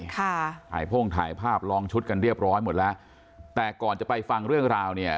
ถ่ายโพ่งถ่ายภาพลองชุดกันเรียบร้อยหมดแล้วแต่ก่อนจะไปฟังเรื่องราวเนี่ย